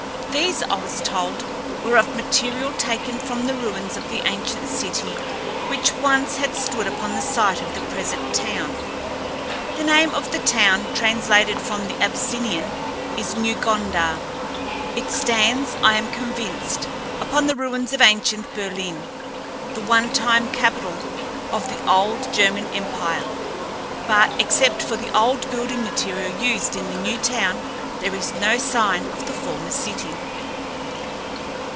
These, I was told, were of material taken from the ruins of the ancient city which, once, had stood upon the site of the present town. The name of the town, translated from the Abyssinian, is New Gondar. It stands, I am convinced, upon the ruins of ancient Berlin, the one time capital of the old German empire, but except for the old building material used in the new town there is no sign of the former city.